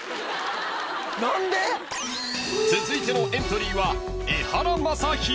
［続いてのエントリーは］